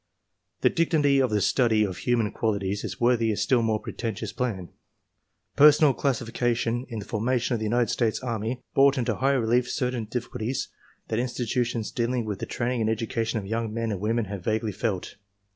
The dignity of the study of human qualities is worthy a still more pretentious plan.* "Personnel classification in the formation of the United States Army brought into high relief certain difficulties that institu tions dealing with the training and education of young men and women had vaguely felt.